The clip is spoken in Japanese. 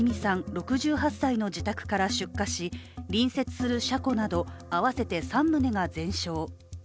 ６８歳の自宅から出火し隣接する車庫など合わせて３棟が全焼。